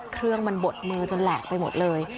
เครื่องมันบดมือจนแหลกไปหมดเลย